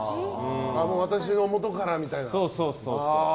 私の元からみたいな？